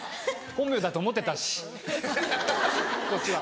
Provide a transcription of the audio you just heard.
本名だと思ってたしこっちは。